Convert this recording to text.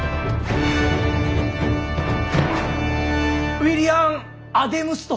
「ウィリアムアデムス」と。